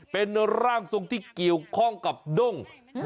เป็นร่างทรงที่เกี่ยวข้องกับด้ง